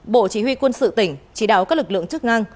bộ chỉ huy quân sự tỉnh chỉ đạo các lực lượng chức năng